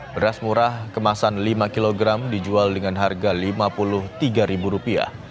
beras murah kemasan lima kg dijual dengan harga rp lima puluh tiga